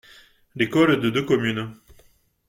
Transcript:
L’école de deux communes.